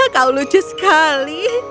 kau lucu sekali